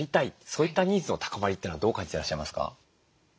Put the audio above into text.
そういったニーズの高まりというのはどう感じていらっしゃいますか？